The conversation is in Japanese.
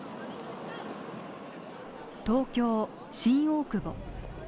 東京・新大久保。